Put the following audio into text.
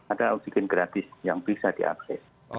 adalah oksigen gratis yang bisa diakses